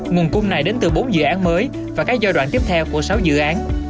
nguồn cung này đến từ bốn dự án mới và các giai đoạn tiếp theo của sáu dự án